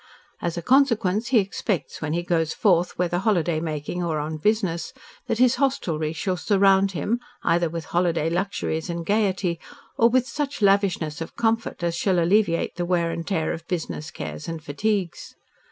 As a consequence, he expects, when he goes forth, whether holiday making or on business, that his hostelry shall surround him, either with holiday luxuries and gaiety, or with such lavishness of comfort as shall alleviate the wear and tear of business cares and fatigues.